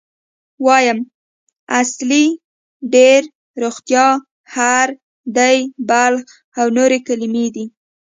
وایم، اصلي، ډېر، روغتیا، هره، دی، بلخ او نورې کلمې دي.